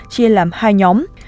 chia làm hai nhóm